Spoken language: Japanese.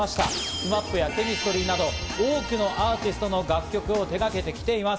ＳＭＡＰやＣＨＥＭＩＳＴＲＹなど多くのアーティストの楽曲を手がけてきています。